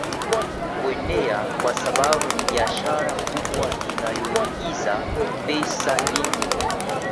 kuenea kwa sababu ni biashara kubwa inayoingiza pesa nyingi